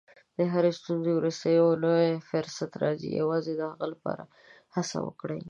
د هرې ستونزې وروسته یو نوی فرصت راځي، یوازې د هغې لپاره هڅه وکړئ.